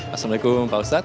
assalamu'alaikum pak ustadz